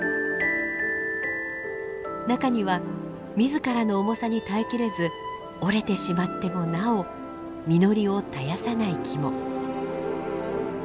中には自らの重さに耐えきれず折れてしまってもなお実りを絶やさない木も。